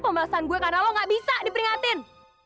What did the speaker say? pembahasan gue karena lo gak bisa diperingatin